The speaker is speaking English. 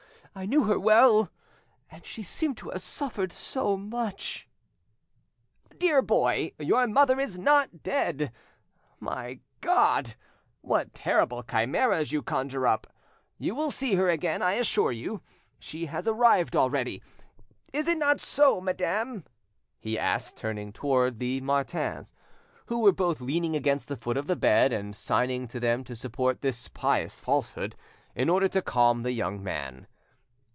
... I knew her well! and she seemed to have suffered so much——" "Dear boy, your mother is not dead .... My God! what terrible chimeras you conjure up! You will see her again, I assure you; she has arrived already. Is it not so, madame?" he asked, turning towards the Martins, who were both leaning against the foot of the bed, and signing to them to support this pious falsehood, in order to calm the young man.